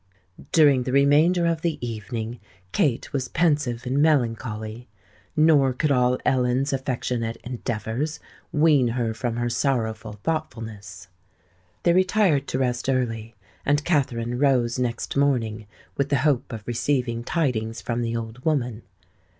During the remainder of the evening Kate was pensive and melancholy; nor could all Ellen's affectionate endeavours wean her from her sorrowful thoughtfulness. They retired to rest early; and Katherine rose next morning with the hope of receiving tidings from the old woman.